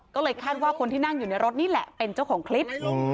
ก็เลยคาดว่าคนที่นั่งอยู่ในรถนี่แหละเป็นเจ้าของคลิป